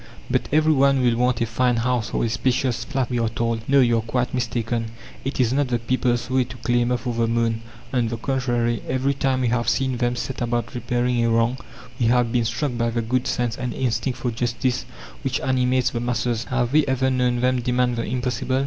"But every one will want a fine house or a spacious flat!" we are told. No, you are quite mistaken. It is not the people's way to clamour for the moon. On the contrary, every time we have seen them set about repairing a wrong we have been struck by the good sense and instinct for justice which animates the masses. Have we ever known them demand the impossible?